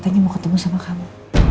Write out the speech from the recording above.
aku mau ketemu sama andi